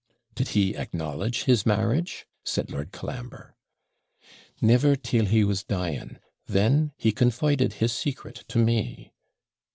'Did he acknowledge his marriage?' said Lord Colambre. 'Never till he was dying then he confided his secret to me.'